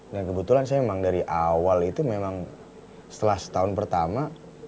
dan kebetulan saya emang dari awal itu memang setelah setahun pertama